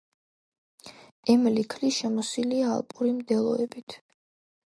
ემლიქლი შემოსილია ალპური მდელოებით.